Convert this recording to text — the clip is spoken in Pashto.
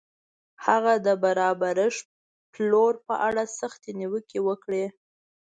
هغه د برابرښت پلور په اړه سختې نیوکې وکړې.